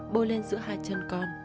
bôi lên giữa hai chân con